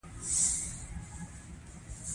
مولوي صاحب د اصحابو د جهاد ډېرې کيسې وکړې.